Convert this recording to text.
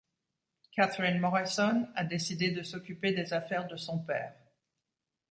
Katherine Morrison a décidé de s'occuper des affaires de son père.